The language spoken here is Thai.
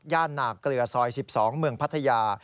ย่านหนักเกลือซอย๑๒เมืองพัทยา